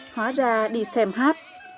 hóa ra đi xem hát